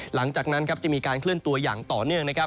หลังจากนั้นจะมีการเคลื่อนตัวอย่างต่อเนื่อง